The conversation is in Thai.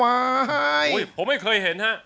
อุ้ยผมไม่เคยเห็นฮะ